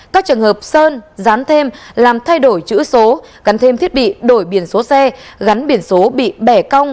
các trường hợp sơn dán thêm làm thay đổi chữ số gắn thêm thiết bị đổi biển số xe gắn biển số bị bẻ cong